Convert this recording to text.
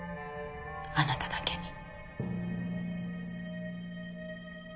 あなただけに。